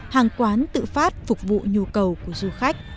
hàng quán tự phát phục vụ nhu cầu của du khách